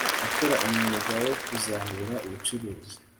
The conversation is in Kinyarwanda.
akora umwuga wo kuzahura ubucuruzi